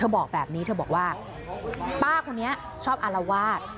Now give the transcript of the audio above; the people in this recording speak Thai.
บอกแบบนี้แบบว่าป้าคนเงี้ยชอบอาละวาด